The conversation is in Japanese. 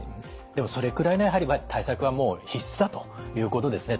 でもそれくらいねやはり対策は必須だということですね。